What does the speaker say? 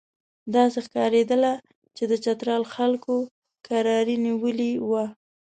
داسې ښکارېدله چې د چترال خلکو کراري نیولې وه.